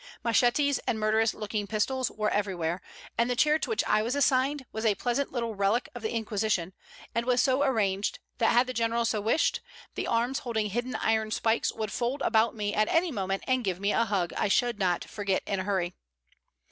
Machetes and murderous looking pistols were everywhere, and the chair to which I was assigned was a pleasant little relic of the Inquisition, and was so arranged that had the General so wished, the arms holding hidden iron spikes would fold about me at any moment and give me a hug I should not forget in a hurry.